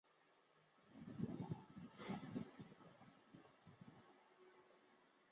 比亚托瓦亚是位于美国亚利桑那州皮马县的一个非建制地区。